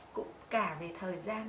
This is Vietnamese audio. cũng cả về thời gian